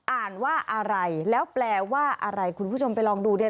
อ่านว่าอะไรแล้วแปลว่าอะไรคุณผู้ชมไปลองดูเนี่ย